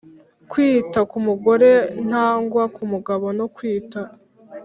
Kwita kumugore nangwa kumugabo no kwita